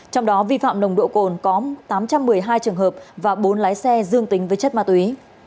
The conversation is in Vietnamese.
trong đó vi phạm nồng độ cồn có tám trăm một mươi hai trường hợp và bốn lái xe dương tính với chất ma túy